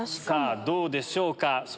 さぁどうでしょうか。